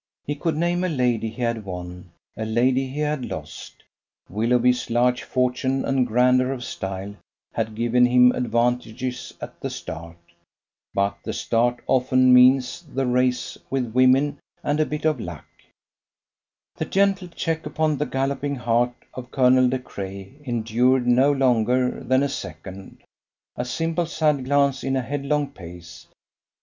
He could name a lady he had won, a lady he had lost. Willoughby's large fortune and grandeur of style had given him advantages at the start. But the start often means the race with women, and a bit of luck. The gentle check upon the galloping heart of Colonel De Craye endured no longer than a second a simple side glance in a headlong pace.